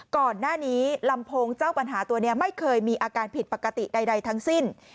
ก่อนหน้านี้ลำโพงเจ้าปัญหาตัวนี้ไม่เคยมีอาการผิดปกติใดทั้งสิ้น